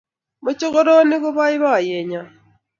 Mokochoronik ko boiboyet nyo